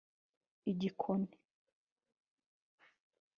igikoni